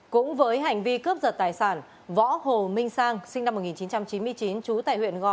cũng với hành vi cướp giật tài sản võ hồ minh sang sinh năm một nghìn chín trăm chín mươi chín trú tại huyện gò